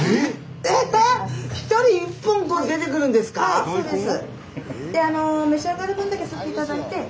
はいそうです。